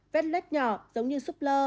viên lết nhỏ giống như súp lơ